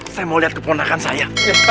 saya mau lihat keponakan saya